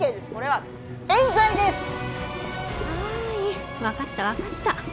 はい分かった分かった。